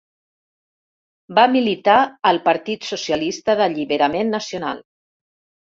Va militar al Partit Socialista d'Alliberament Nacional.